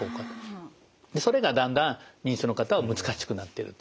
それがだんだん認知症の方は難しくなってると。